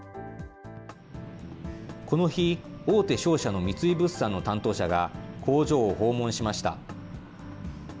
この日、大手商社の三井物産の担当者が工場を訪問しました。